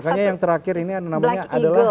makanya yang terakhir ini namanya adalah